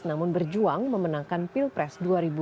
namun berjuang memenangkan pilpres dua ribu sembilan belas